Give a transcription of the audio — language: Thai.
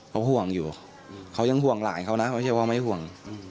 เขาห่วงอยู่เขายังห่วงหลานเขานะไม่ใช่ว่าไม่ห่วง